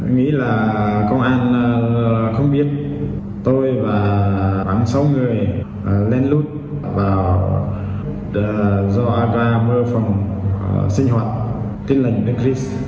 nghĩ là công an không biết tôi và khoảng sáu người lên lút vào do aga mơ phòng sinh hoạt tin lệnh đức rích